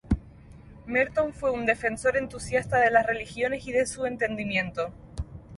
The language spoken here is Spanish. Merton fue un defensor entusiasta de las religiones y de su entendimiento.